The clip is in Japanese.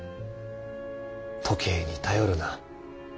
時計に頼るな。